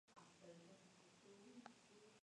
Le Temple-de-Bretagne